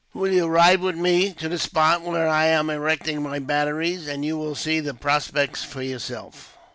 "Will you ride with me, to the spot where I'm erecting my batteries, and you will see the prospect for yourself?"